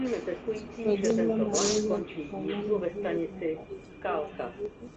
Kwa jumla maelezo ya kitaalamu ya vyombo vya habari ilikuwa hadi juzi